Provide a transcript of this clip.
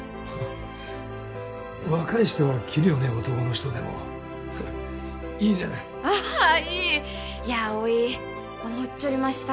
若い人は着るよね男の人でもいいじゃないはいいいやあおい思っちょりました